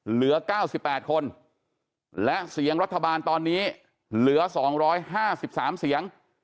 เหลือ๙๘คนและเสียงรัฐบาลตอนนี้เหลือ๒๕๓เสียง